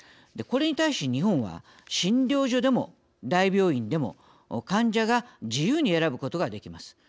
これに対し日本は診療所でも、大病院でも患者が自由に選ぶことができます。